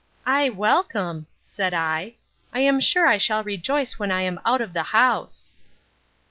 I welcome! said I; I am sure I shall rejoice when I am out of the house!